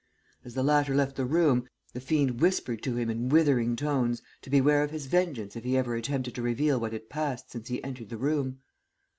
As the latter left the room the fiend whispered to him in withering tones to beware of his vengeance if he ever attempted to reveal what had passed since he entered the room.